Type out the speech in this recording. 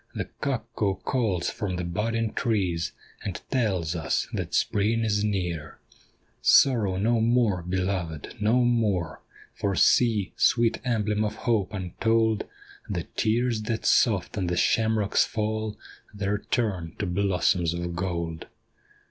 The cuckoo calls from the budding trees, And tells us that Spring is near. Sorrow no more, beloved, no more ! For see, sweet emblem of hope untold. The tears that soft on the shamrocks fall There turn to blossoms of gold.